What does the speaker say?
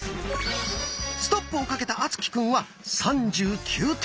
ストップをかけた敦貴くんは３９点。